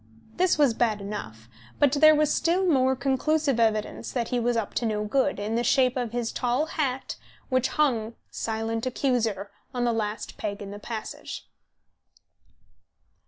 This was bad enough, but there was still more conclusive evidence that he was up to no good, in the shape of his tall hat, which hung, silent accuser, on the last peg in the passage.